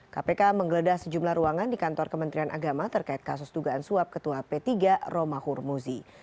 kpk menggeledah sejumlah ruangan di kantor kementerian agama terkait kasus dugaan suap ketua p tiga roma hurmuzi